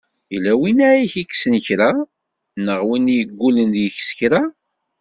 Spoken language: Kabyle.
Yella win i ak-yekksen kra! Neɣ win i yeggulen deg-k s kra?